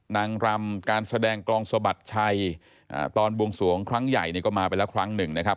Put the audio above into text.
นางรำการแสดงกลองสะบัดชัยตอนบวงสวงครั้งใหญ่เนี่ยก็มาไปแล้วครั้งหนึ่งนะครับ